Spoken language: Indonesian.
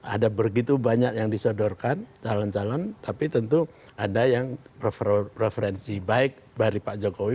ada begitu banyak yang disodorkan calon calon tapi tentu ada yang referensi baik dari pak jokowi